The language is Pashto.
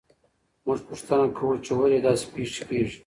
موږ پوښتنه کوو چې ولې داسې پېښې کیږي.